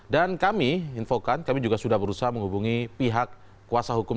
dan kami infokan kami juga sudah berusaha menghubungi pihak kuasa hukum